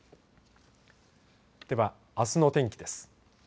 では、あすの天気です。